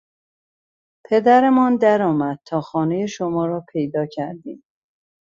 پدرمان درآمد تا خانهی شما را پیدا کردیم!